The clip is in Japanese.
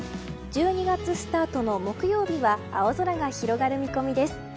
１２月スタートの木曜日は青空が広がる見込みです。